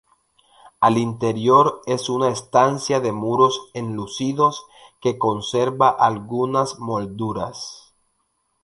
Al interior es una estancia de muros enlucidos que conserva algunas molduras.